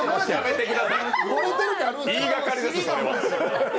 言いがかりです、それは。